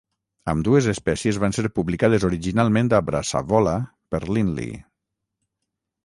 Ambdues espècies van ser publicades originalment a "Brassavola" per Lindley.